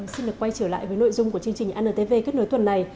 xin được quay trở lại với nội dung của chương trình antv kết nối tuần này